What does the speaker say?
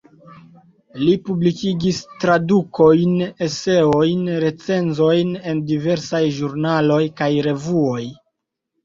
Li publikigis tradukojn, eseojn, recenzojn en diversaj ĵurnaloj kaj revuoj.